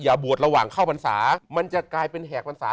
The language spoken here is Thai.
อย่าบวชระหว่างเข้าพันศามันจะเป็นแหกพันศา